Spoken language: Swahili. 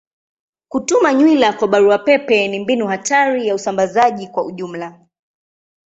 Kutuma nywila kwa barua pepe ni mbinu hatari ya usambazaji kwa ujumla.